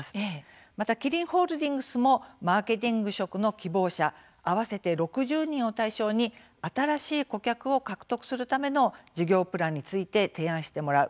またキリンホールディングスもマーケティング職の希望者合わせて６０人を対象に新しい顧客を獲得するための事業プランについて提案してもらう。